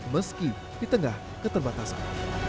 meski di tengah keterbatasan